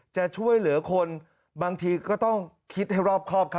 จะช่วยเหลือคนบางทีก็ต้องคิดให้รอบครอบครับ